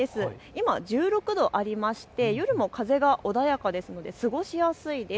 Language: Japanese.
今、１６度ありまして夜も風が穏やかですので過ごしやすいです。